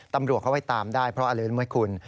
ตำรวจเขาให้ตามได้เพราะอเลินมหาคุณ